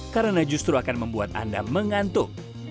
karena justru akan membuat anda mengantuk